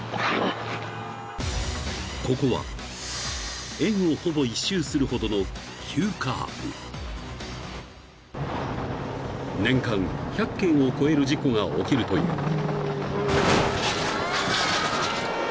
［ここは円をほぼ一周するほどの急カーブ］［年間１００件を超える事故が起きるという］